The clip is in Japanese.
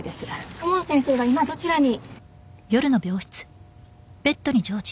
公文先生は今どちらに？